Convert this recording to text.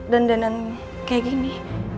dandan dandan kayak gini